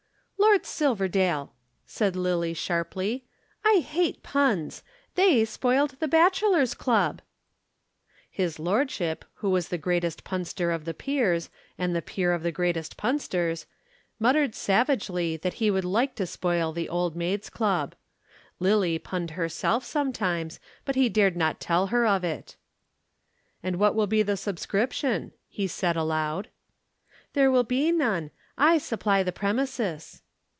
"Lord Silverdale," said Lillie sharply, "I hate puns. They spoiled the Bachelors' Club." His lordship, who was the greatest punster of the peers, and the peer of the greatest punsters, muttered savagely that he would like to spoil the Old Maids' Club. Lillie punned herself sometimes, but he dared not tell her of it. "And what will be the subscription?" he said aloud. "There will be none. I supply the premises."